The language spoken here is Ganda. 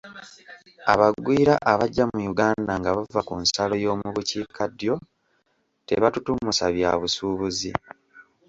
Abagwira abajja mu Uganda nga bava ku nsalo y'omu bukiikaddyo tebatutumusa bya busuubuzi.